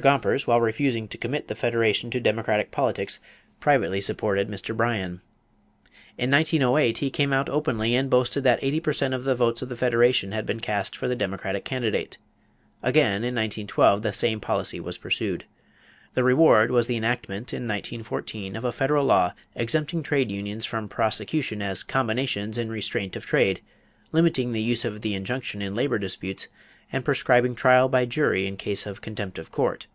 Gompers, while refusing to commit the Federation to Democratic politics, privately supported Mr. Bryan. In 1908, he came out openly and boasted that eighty per cent of the votes of the Federation had been cast for the Democratic candidate. Again in 1912 the same policy was pursued. The reward was the enactment in 1914 of a federal law exempting trade unions from prosecution as combinations in restraint of trade, limiting the use of the injunction in labor disputes, and prescribing trial by jury in case of contempt of court.